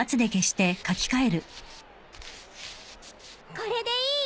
これでいい？